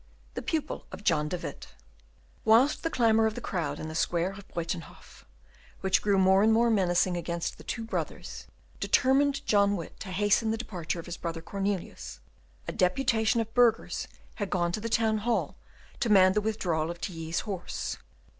The Pupil of John de Witt Whilst the clamour of the crowd in the square of Buytenhof, which grew more and more menacing against the two brothers, determined John de Witt to hasten the departure of his brother Cornelius, a deputation of burghers had gone to the Town hall to demand the withdrawal of Tilly's horse.